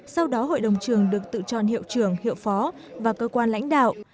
sau đó hội đồng trường được tự chọn hiệu trưởng hiệu phó và cơ quan lãnh đạo